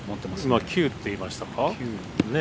今、９って言いましたか。